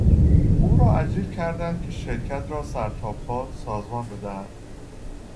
او را اجیر کردهاند که شرکت را سرتاپا سازمان بدهد.